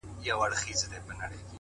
پوهه له لټون سره پراخیږي؛